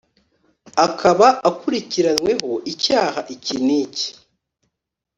akaba akurikiranyweho icyaha iki niki